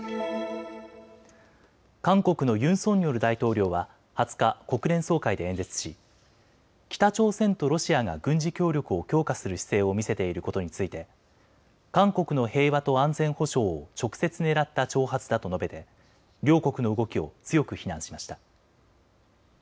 韓国のユン・ソンニョル大統領は２０日、国連総会で演説し北朝鮮とロシアが軍事協力を強化する姿勢を見せていることについて韓国の平和と安全保障を直接狙った挑発だと述べて両国の動きを強く非難しました。